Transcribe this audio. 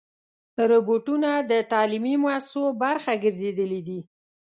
روبوټونه د تعلیمي مؤسسو برخه ګرځېدلي دي.